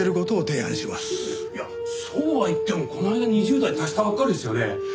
いやそうは言ってもこの間２０台足したばっかりですよね。